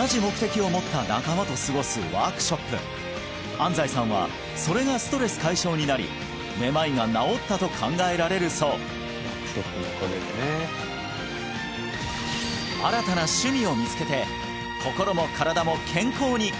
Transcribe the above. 安齋さんはそれがストレス解消になりめまいが治ったと考えられるそう新たな趣味を見つけて心も身体も健康に！